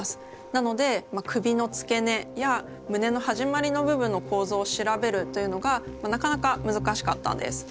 なので首の付け根や胸の始まりの部分の構造を調べるというのがなかなかむずかしかったんです。